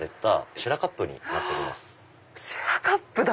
シェラカップだ！